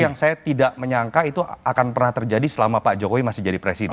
yang saya tidak menyangka itu akan pernah terjadi selama pak jokowi masih jadi presiden